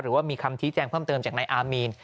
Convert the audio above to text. หรือว่ามีคำชี้แจงเพิ่มเติมจากนายอามีน